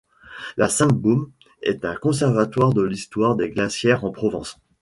La Sainte-Baume est un conservatoire de l'histoire des glacières en Provence.